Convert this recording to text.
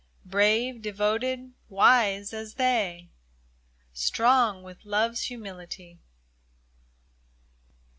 Brave, devoted, wise, as they — Strong with love's humility.